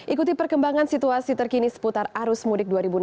ikuti perkembangan situasi terkini seputar arus mudik dua ribu enam belas